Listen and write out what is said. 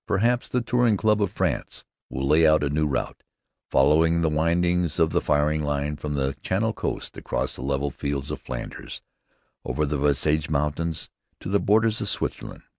Perhaps the Touring Club of France will lay out a new route, following the windings of the firing line from the Channel coast across the level fields of Flanders, over the Vosges Mountains to the borders of Switzerland.